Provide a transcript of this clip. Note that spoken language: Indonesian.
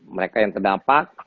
mereka yang terdapat